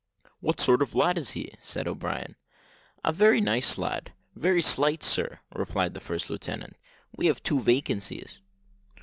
"What sort of a lad is he?" said O'Brien. "A very nice lad very slight, sir," replied the first lieutenant. "We have two vacancies."